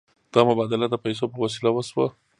دا مبادله د پیسو په وسیله وشوه.